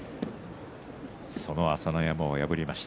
その朝乃山を破りました